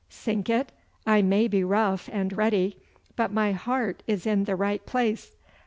Sink it, I may be rough and ready, but my heart is in the right place!